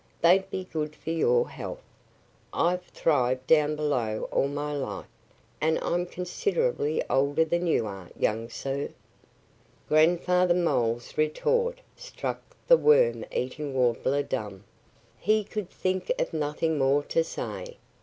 They'd be good for your health. I've thrived down below all my life; and I'm considerably older than you, young sir!" Grandfather Mole's retort struck the Worm eating Warbler dumb. He could think of nothing more to say.